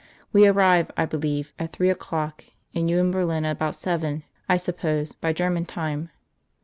We arrive, I believe, at three o'clock, and you in Berlin about seven, I suppose, by German time.